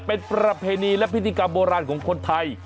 เป็นประเพณีและพิธีกรรมโบราณของคนไทย